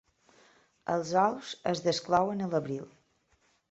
Els ous es desclouen a l'abril.